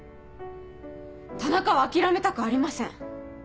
田中は諦めたくありません。